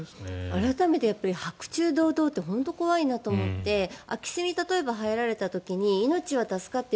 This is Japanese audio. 改めて白昼堂々と本当に怖いなと思って空き巣に例えば入られた時に命は助かって